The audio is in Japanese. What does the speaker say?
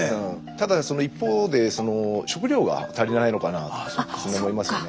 ただその一方で食料が足りないのかなと思いますよね。